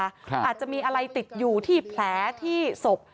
อาจจะมีอะไรติดอยู่ที่แผลที่ศพ